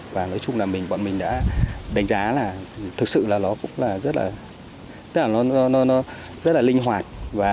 và nói chung là bọn mình đã đánh giá là thực sự là nó cũng rất là linh hoạt